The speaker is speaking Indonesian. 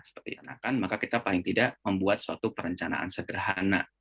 seperti anakan maka kita paling tidak membuat suatu perencanaan sederhana